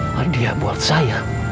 hadiah buat saya